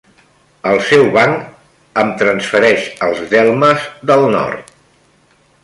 El seu banc em transfereix els delmes del nord.